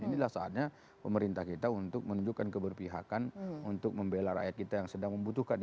inilah saatnya pemerintah kita untuk menunjukkan keberpihakan untuk membela rakyat kita yang sedang membutuhkan